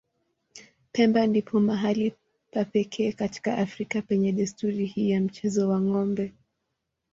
Pemba ndipo mahali pa pekee katika Afrika penye desturi hii ya mchezo wa ng'ombe.